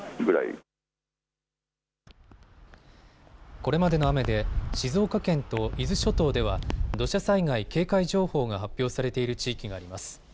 これまでの雨で静岡県と伊豆諸島では土砂災害警戒情報が発表されている地域があります。